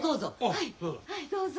はいはいどうぞ。